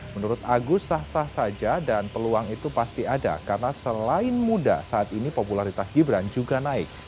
menurut agus sah sah saja dan peluang itu pasti ada karena selain muda saat ini popularitas gibran juga naik